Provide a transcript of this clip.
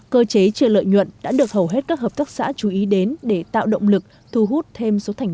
cơ chế chưa lợi nhuận đã được hầu hết các hợp tác xã chú ý đến để tạo động lực thu hút thêm số thành